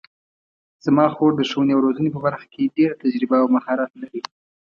زما خور د ښوونې او روزنې په برخه کې ډېره تجربه او مهارت لري